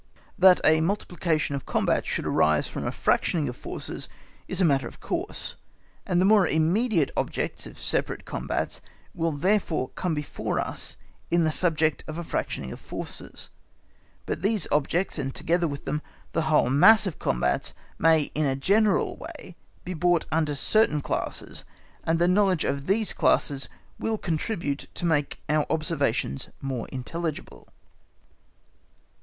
That a multiplication of combats should arise from a fractioning of forces is a matter of course, and the more immediate objects of separate combats will therefore come before us in the subject of a fractioning of forces; but these objects, and together with them, the whole mass of combats may in a general way be brought under certain classes, and the knowledge of these classes will contribute to make our observations more intelligible.